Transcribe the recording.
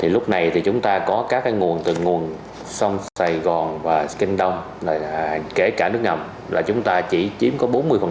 lúc này chúng ta có các nguồn từ sông sài gòn và kinh đông kể cả nước ngầm chúng ta chỉ chiếm có bốn mươi